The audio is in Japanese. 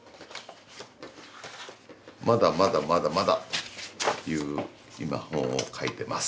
「まだまだまだまだ」っていう今本を描いてます。